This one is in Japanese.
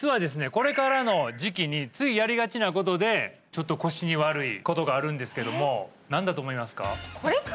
これからの時期についやりがちなことでちょっと腰に悪いことがあるんですけども何だと思いますか？